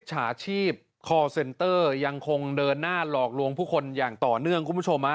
ฉาชีพคอร์เซ็นเตอร์ยังคงเดินหน้าหลอกลวงผู้คนอย่างต่อเนื่องคุณผู้ชมฮะ